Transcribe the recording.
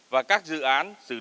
và các dự án xử lý phát triển